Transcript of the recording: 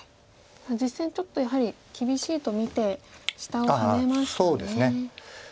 実戦ちょっとやはり厳しいと見て下をハネましたね。